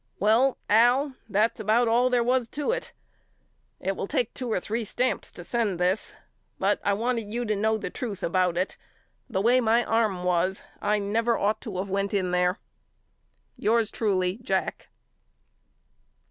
Well Al that's about all there was to it. It will take two or three stamps to send this but I want you to know the truth about it. The way my arm was I ought never to of went in there. Yours truly, JACK.